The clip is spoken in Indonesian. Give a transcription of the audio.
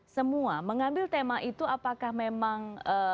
semua mengambil tema itu apakah memang